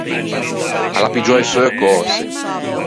A l’à piggiou e seu cöse.